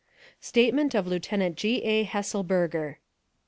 279 STATEMENT OF LIEUTENANT G. A. HES SELBERGER.